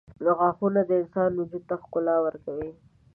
• غاښونه د انسان وجود ته ښکلا ورکوي.